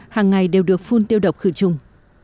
hàng ngày đều được phun tiêu độc khử trùng